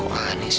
kok aneh sih